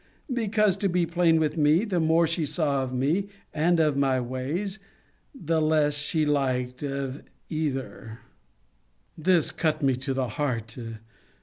Because, to be plain with me, the more she saw of me, and of my ways, the less she liked of either. This cut me to the heart!